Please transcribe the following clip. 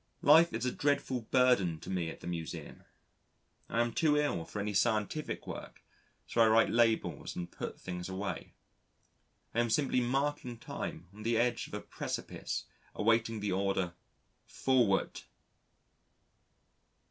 Life is a dreadful burden to me at the Museum. I am too ill for any scientific work so I write labels and put things away. I am simply marking time on the edge of a precipice awaiting the order, "Forward."